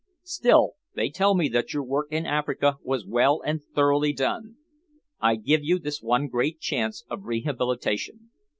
Still, they tell me that your work in Africa was well and thoroughly done. I give you this one great chance of rehabilitation.